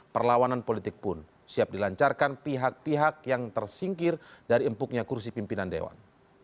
perlawanan politik pun siap dilancarkan pihak pihak yang tersingkir dari empuknya kursi pimpinan dewan